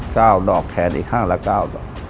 ก้าวดอกแขนอีกข้างละก้าว